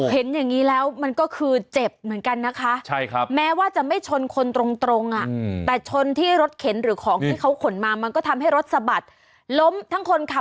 เห็นอย่างนี้แล้วมันก็คือเจ็บเหมือนกันนะคะแม้ว่าจะไม่ชนคนตรงแต่ชนที่รถเข็นหรือของที่เขาขนมามันก็ทำให้รถสะบัดล้มทั้งคนขับ